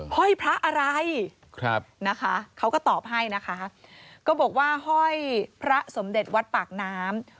ห้อยพระอะไรนะคะเขาก็ตอบให้นะคะก็บอกว่าห้อยพระสมเด็จวัดปากน้ำ